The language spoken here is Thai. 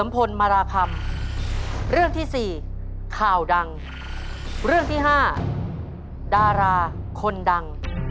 พร้อมกันเลยครับ